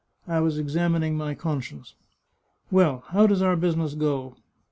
I was examining my conscience. Well, how does our busi ness go